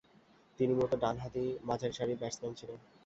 তিনি মূলতঃ ডানহাতি মাঝারীসারির ব্যাটসম্যান ছিলেন।